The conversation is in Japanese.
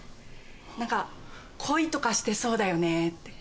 何か恋とかしてそうだよねって。